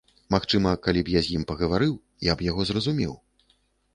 Магчыма, калі б я з ім пагаварыў, я б яго зразумеў.